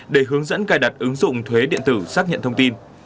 để hướng dẫn cài đặt ứng dụng thuế điện tử xác nhận thông tin